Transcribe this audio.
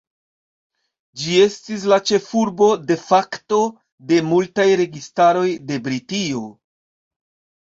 Ĝi estis la ĉefurbo "de facto" de multaj registaroj de Britio.